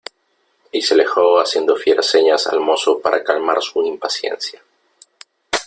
y se alejó haciendo fieras señas al mozo para calmar su impaciencia .